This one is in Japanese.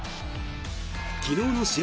昨日の試合